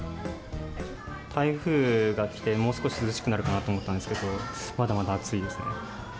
台風が来て、もう少し涼しくなるかなと思ったんですけど、まだまだ暑いですね。